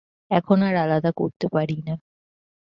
এখন আর আলাদা করতে পারি না।